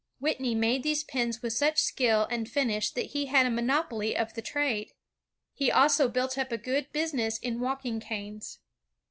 Whitney made these pins with such skill and finish that he had a monopoly of the trade. He also built up a good business in walking canes.